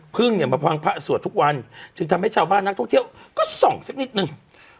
เนี่ยมาพังพระสวดทุกวันจึงทำให้ชาวบ้านนักท่องเที่ยวก็ส่องสักนิดนึง